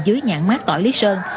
dưới nhãn mát tỏi lý sơn